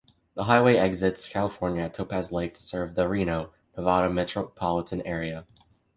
The highway exits California at Topaz Lake to serve the Reno, Nevada metropolitan area.